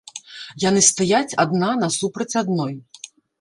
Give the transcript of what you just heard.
Яны стаяць адна насупраць адной.